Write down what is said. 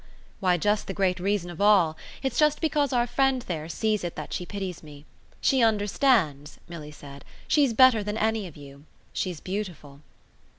"Why just the great reason of all. It's just because our friend there sees it that she pities me. She understands," Milly said; "she's better than any of you. She's beautiful."